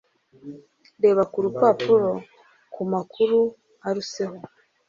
reba ku rupapuro ku makuru aruseho